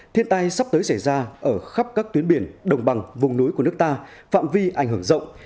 thiên tai sắp tới xảy ra ở khắp các tuyến biển đồng bằng vùng núi của nước ta phạm vi ảnh hưởng rộng